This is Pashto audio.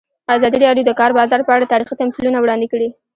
ازادي راډیو د د کار بازار په اړه تاریخي تمثیلونه وړاندې کړي.